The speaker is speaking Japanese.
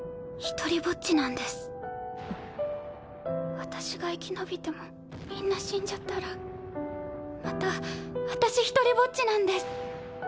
私が生き延びてもみんな死んじゃったらまた私独りぼっちなんです。